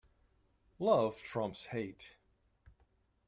Love trumps hate.